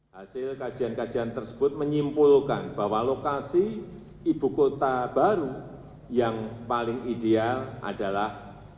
hasil kajian kajian tersebut menyimpulkan bahwa lokasi ibu kota baru yang paling ideal adalah